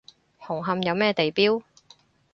紅磡有咩地標？